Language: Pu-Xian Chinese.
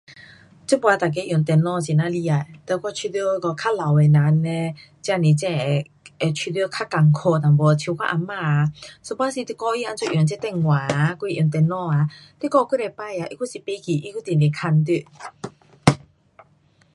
这次每个用电脑很呐厉害，哒我觉得那个较老的人呢，真是正是真会，会觉得较困苦一点，像我啊妈啊，有半时你教她怎样用这下电话啊还是用电脑啊，你教几十次啊，她还是不记，她还直直问你。